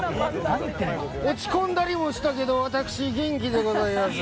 落ち込んだりもしたけど私、元気でございます。